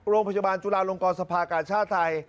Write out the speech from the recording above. โรงพยาบาลจุฬาลงกรสภากาชาติไทย